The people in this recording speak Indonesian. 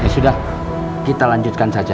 sudah kita lanjutkan saja